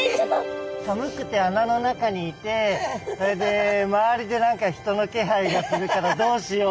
寒くて穴の中にいてそれで周りで何か人の気配がするからどうしよう。